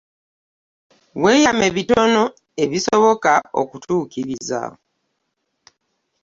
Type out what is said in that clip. Weeyame bitono ebisoboka okutuukiriz.